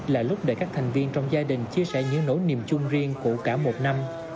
là lúc để các thành viên trong gia đình chia sẻ những nỗi niềm chung riêng của cả một năm